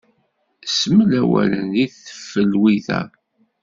Smel awalen deg teflwit-a.